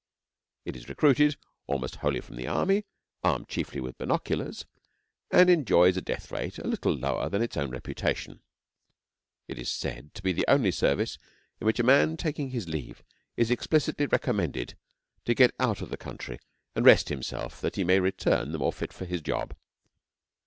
It is recruited almost wholly from the army, armed chiefly with binoculars, and enjoys a death rate a little lower than its own reputation. It is said to be the only service in which a man taking leave is explicitly recommended to get out of the country and rest himself that he may return the more fit to his job.